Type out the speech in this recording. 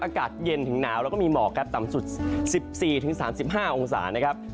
อากาศเย็นถึงหนาวแล้วก็มีหมอกครับต่ำสุด๑๔๓๕องศานะครับ